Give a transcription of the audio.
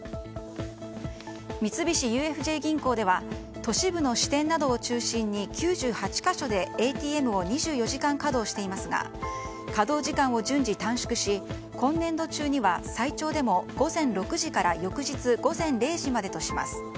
三菱東京ＵＦＪ銀行では都市部の支店などを中心に９８か所で、ＡＴＭを２４時間稼働していますが稼働時間を順次短縮し今年度中には最長でも午前６時から翌日午前０時までとします。